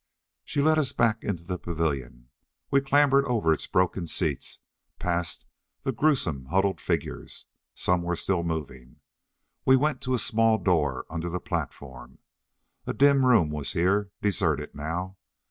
She led us back into the pavilion. We clambered over its broken seats, past its grewsome huddled figures. Some were still moving.... We went to a small door under the platform. A dim room was here, deserted now.